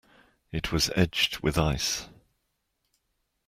It was edged with ice.